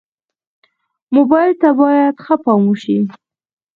موبایل ته باید ښه پام وشي.